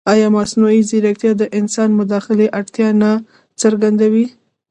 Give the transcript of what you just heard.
ایا مصنوعي ځیرکتیا د انساني مداخلې اړتیا نه څرګندوي؟